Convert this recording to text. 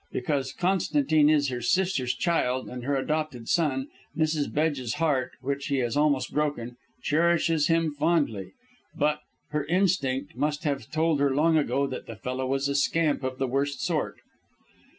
Because Constantine is her sister's child and her adopted son Mrs. Bedge's heart, which he has almost broken, cherishes him fondly; but her instinct must have told her long ago that the fellow is a scamp of the worst sort."